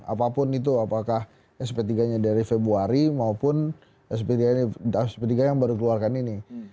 apapun itu apakah sp tiga nya dari februari maupun sp tiga yang baru keluarkan ini